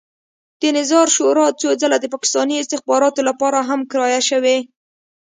د نظار شورا څو ځله د پاکستاني استخباراتو لپاره هم کرایه شوې.